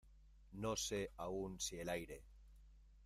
No sé aún si el aire